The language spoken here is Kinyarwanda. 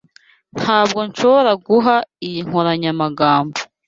Ntabwo nshobora guha iyi nkoranyamagambo.